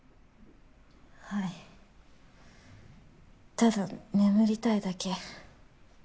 ただ眠りたいだけ。